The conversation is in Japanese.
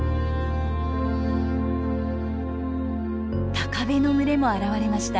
タカベの群れも現れました。